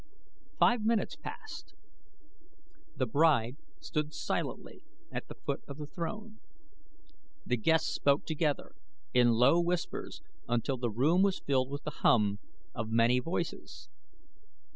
Five minutes passed. The bride stood silently at the foot of the throne. The guests spoke together in low whispers until the room was filled with the hum of many voices.